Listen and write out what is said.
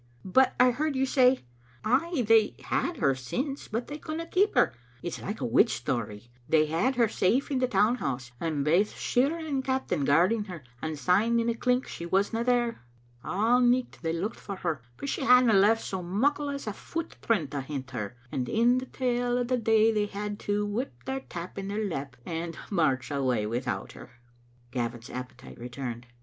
But I heard you say "" Ay, they had her aince, but they couldna keep her. It's like a witch story. They had her safe in the town* house, and baith shirra and captain guarding her, and S3me in a clink she wasna there. A' nicht they looked for her, but she hadna left so muckle as a foot print ahint her, and in the tail of the day they had to up wi' their tap in their lap and march awa without her." Gavin's appetite returned.